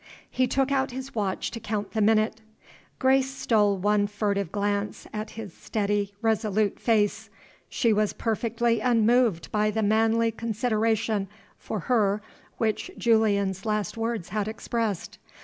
He took out his watch to count the minute. Grace stole one furtive glance at his steady, resolute face. She was perfectly unmoved by the manly consideration for her which Julian's last words had expressed.